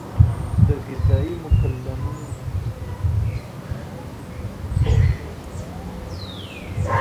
د غذایي مکملونو سره پروبیوتیکونه اخیستل کیږي.